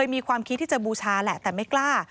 มีความคิดที่จะบูชาแหละแต่ไม่กล้า